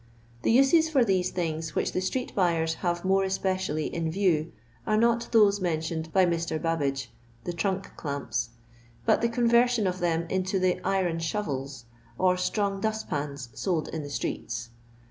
The uses for these things which the street buyers have mors especially in view, are not those mentioned by Mr. Babbnge (the trunk clamps), but the convenioa of them into the " iron shovels," or strong dust pans sold in the streets.